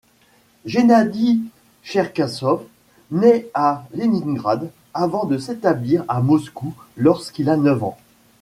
Gennady Cherkasov naît à Leningrad, avant de s'établir à Moscou lorsqu'il a neuf ans.